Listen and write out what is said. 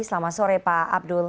selamat sore pak abdul